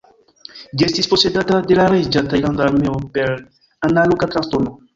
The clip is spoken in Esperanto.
Ĝi estis posedata de la Reĝa Tajlanda Armeo per Analoga transdono.